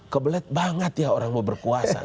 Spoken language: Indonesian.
kebelet banget ya orang mau berkuasa